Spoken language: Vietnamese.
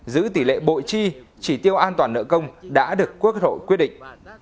giữ tỷ lệ bội chi chỉ tiêu an toàn nợ công đã được quốc hội quyết định